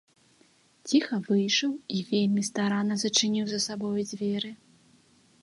Ціха выйшаў і вельмі старанна зачыніў за сабою дзверы.